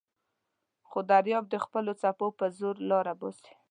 خو دریاب د خپلو څپو په زور لاره باسي.